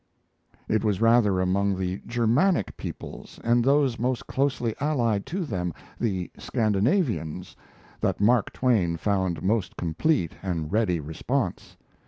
It was rather among the Germanic peoples and those most closely allied to them, the Scandinavians, that Mark Twain found most complete and ready response.